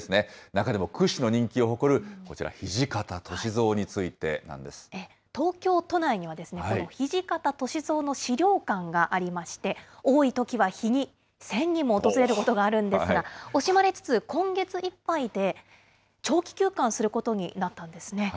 中でも屈指の人気を誇るこちら、東京都内には、この土方歳三の資料館がありまして、多いときは日に１０００人も訪れることがあるんですが、惜しまれつつ、今月いっぱいで長期休館することになったんですね。